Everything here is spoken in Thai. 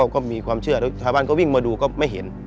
ก็มีความเชื่อแล้วชาวบ้านก็วิ่งมาดูก็ไม่เห็น